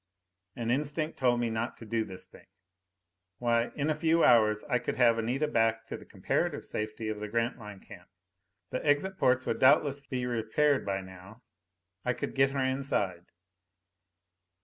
An instinct told me not to do this thing. Why, in a few hours I could have Anita back to the comparative safety of the Grantline camp. The exit ports would doubtless be repaired by now. I could get her inside.